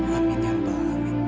amin ya rabbah amin